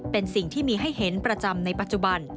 เป็นสิ่งที่มีให้เห็นประจำในปัจจุบัน